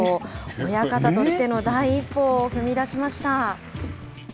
親方としての第一歩を踏み出しました。